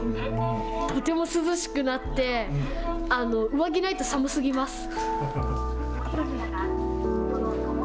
とても涼しくなって上着ないと寒すぎます。